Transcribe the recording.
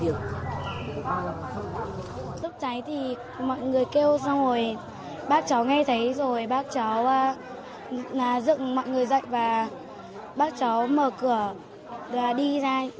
lúc cháy thì mọi người kêu rồi bác cháu nghe thấy rồi bác cháu dựng mọi người dạy và bác cháu mở cửa và đi ra